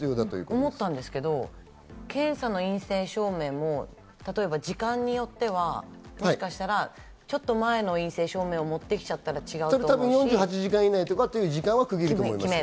思ったんですけど、検査の陰性証明も例えば時間によっては、もしかしたら、ちょっと前の陰性証明を４８時間以内とか時間は区切ると思います。